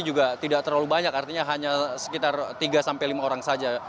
juga tidak terlalu banyak artinya hanya sekitar tiga sampai lima orang saja